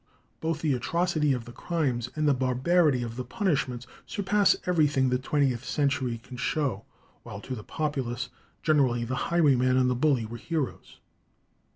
Both the atrocity of the crimes and the barbarity of the punishments surpass everything the twentieth century can show, while to the populace generally the highwayman and the bully were heroes.